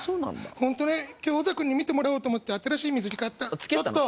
ホントね今日おざ君に見てもらおうと思って新しい水着買ったちょっと！